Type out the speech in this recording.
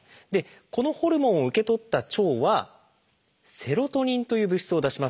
このホルモンを受け取った腸は「セロトニン」という物質を出します。